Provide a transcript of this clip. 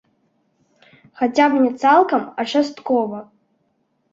Хаця б не цалкам, а часткова.